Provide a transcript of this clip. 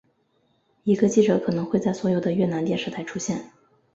一个记者可能会在所有的越南电视台出现。